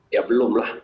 ya belum lah